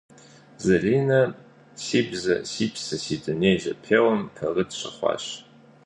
Залинэ «Си бзэ - си псэ, си дуней» зэпеуэм пэрыт щыхъуащ.